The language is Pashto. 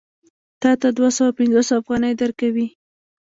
تا ته دوه سوه پنځوس افغانۍ درکوي